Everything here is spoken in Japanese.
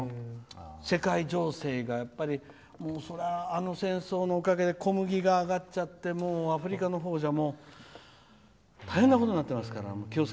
世界情勢が、あの戦争のおかげで小麦が上がっちゃってアフリカのほうじゃ大変なことになってますから。